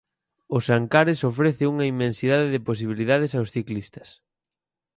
Os Ancares ofrece unha inmensidade de posibilidades aos ciclistas.